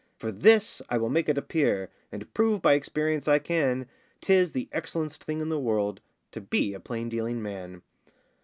For this I will make it appear, And prove by experience I can, 'Tis the excellen'st thing in the world To be a plain dealing man.